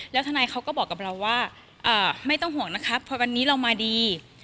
แล้วทนายเขาก็บอกกับเราว่าไม่ต้องห่วงนะครับพอวันนี้เรามาดี